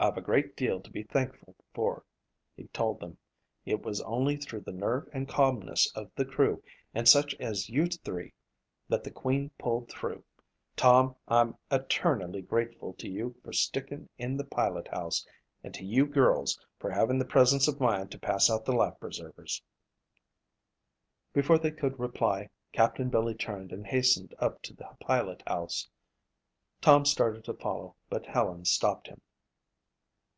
"I've a great deal to be thankful for," he told them. "It was only through the nerve and calmness of the crew and such as you three that the Queen pulled through. Tom, I'm eternally grateful to you for sticking in the pilot house and to you girls for having the presence of mind to pass out the life preservers." Before they could reply Captain Billy turned and hastened up to the pilot house. Tom started to follow but Helen stopped him.